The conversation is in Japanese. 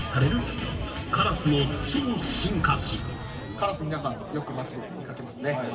カラス皆さんよく町で見掛けますね。